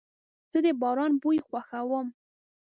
زه د باران بوی خوښوم.